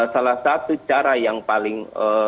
salah satu cara yang paling